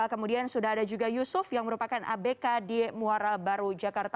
kemudian sudah ada juga yusuf yang merupakan abk di muara baru jakarta